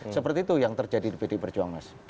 seperti itu yang terjadi di pdi perjuangan